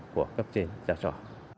của cấp trên giáo trò